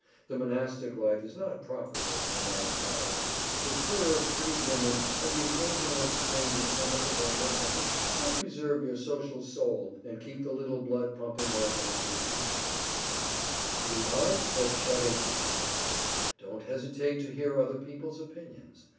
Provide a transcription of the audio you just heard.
The Monastic life is not profitable for a man at College. The purr of pretty women and the occasional exchange of amicable nothings will preserve your social soul and keep the little blood pumping organ in good condition. [Sidenote: THE ART OF SHUTTING UP] Don't hesitate to hear other people's opinions.